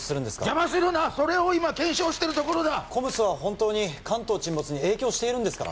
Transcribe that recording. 邪魔するなそれを今検証してるところだＣＯＭＳは本当に関東沈没に影響しているんですか？